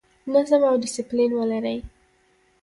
نظم او ډیسپلین ولرئ